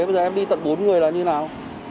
bây giờ em đi tận bốn người là như thế nào